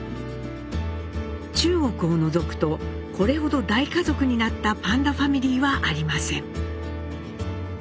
中国を除くとこれほど大家族になったパンダファミリーはありません。